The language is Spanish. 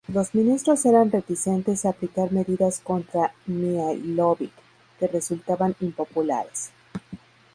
Los ministros eran reticentes a aplicar medidas contra Mihailović, que resultaban impopulares.